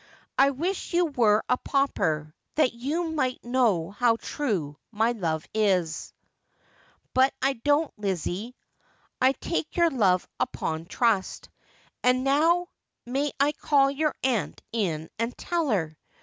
I wish you were a pauper, that you might know how true my love is.' 352 Just as I Am. ' But I don't, Lizzie. I'll take your love upon trust. And now may I call your aunt in and tell her?